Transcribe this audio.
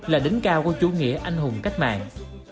là đỉnh cao của chủ nghĩa anh hùng cách mạng